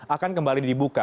akan kembali dibuka